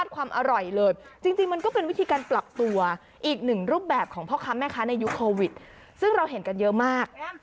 ซึ่งพ่อค้าแม่ค้าในยุคโควิดซึ่งเราเห็นกันเยอะมาก